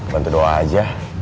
bantu doa aja